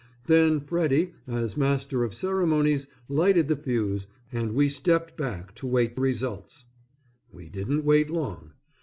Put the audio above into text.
Then Freddy as master of ceremonies lighted the fuse and we stepped back to wait results. We didn't wait long.